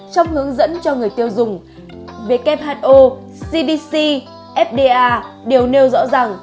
trong hướng dẫn cho người tiêu dùng who cdc fda đều nêu rõ rằng